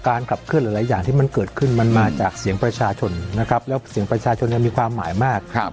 ขับเคลื่อนหลายอย่างที่มันเกิดขึ้นมันมาจากเสียงประชาชนนะครับแล้วเสียงประชาชนยังมีความหมายมาก